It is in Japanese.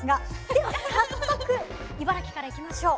では早速茨城からいきましょう。